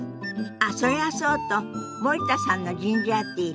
あっそりゃそうと森田さんのジンジャーティー